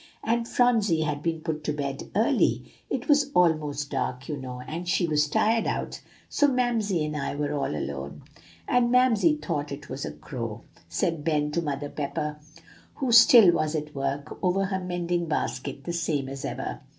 "And Phronsie had been put to bed early. It was almost dark, you know, and she was tired out; so Mamsie and I were all alone." "And Mamsie thought it was a crow," said Ben to Mother Pepper, who still was at work over her mending basket the same as ever.